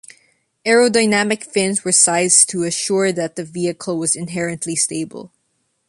Aerodynamic fins were sized to assure that the vehicle was inherently stable.